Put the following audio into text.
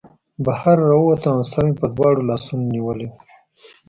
بهر راووتم او سر مې په دواړو لاسونو نیولی و